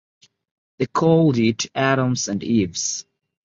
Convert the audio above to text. They called it Adams and Yves.